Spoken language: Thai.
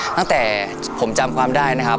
ตั้งแต่ผมจำความได้นะครับ